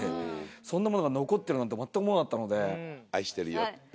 そんなものが残ってるなんて全く思わなかったので。